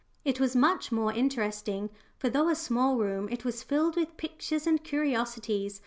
It was much more interesting, for, though a small room, it was filled with pictures and curiosities.